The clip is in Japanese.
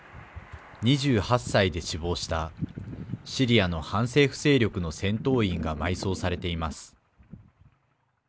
２８歳で死亡したシリアの反政府勢力の戦闘員が埋葬されています。